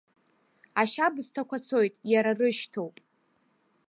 Ашьабсҭақәа цоит, иара рышьҭоуп.